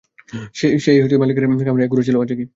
সেই মালিকের খামারের এক ঘোড়া ছিল আজাগী।